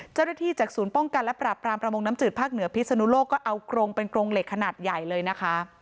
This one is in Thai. จากศูนย์ป้องกันและปรับปรามประมงน้ำจืดภาคเหนือพิศนุโลกก็เอากรงเป็นกรงเหล็กขนาดใหญ่เลยนะคะ